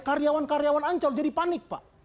karyawan karyawan ancol jadi panik pak